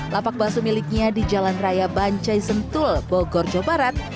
lapak bakso miliknya di jalan raya bancai sentul bogor jawa barat